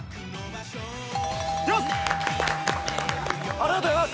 ありがとうございます。